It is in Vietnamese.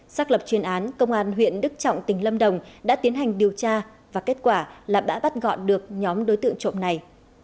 xác lập chuyên án công an huyện đức trọng tỉnh lâm đồng đã tiến hành điều tra và kết quả là đã bắt gọn được nhóm đối tượng trộm này